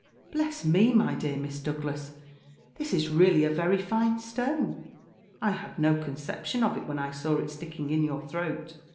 "Bless me, my dear Miss Douglas, this is really a very fine stone! I had no conception of it when I saw it sticking in your throat.